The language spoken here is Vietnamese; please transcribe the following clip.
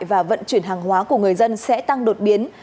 và vận chuyển hàng hóa của người dân sẽ tăng đột biến